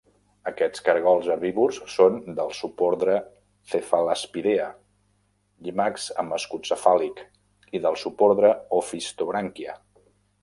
Aquests cargols herbívors són del subordre Cephalaspidea, llimacs amb escut cefàlic, i del subordre Opisthobranchia.